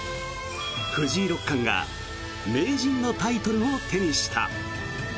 藤井六冠が名人のタイトルを手にした。